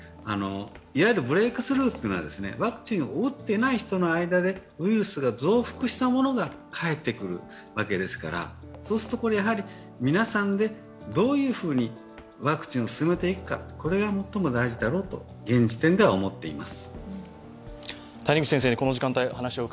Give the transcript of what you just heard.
いわゆるブレークスルーというのはワクチンを打っていない人の間でウイルスが増幅したものが帰ってくるわけですからそうするとやはり皆さんでどういうふうにワクチンを進めていくかが最も大事だろうと現時点では思っています。